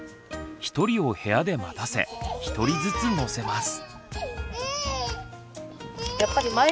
１人を部屋で待たせ１人ずつ乗せます。